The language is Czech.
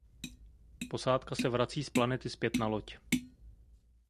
Posádka se vrací z planety zpět na loď.